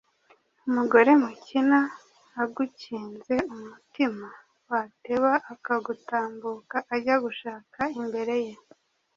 Umugore mukina agukinze umutima, wateba akagutambuka ajya gushaka imbere ye.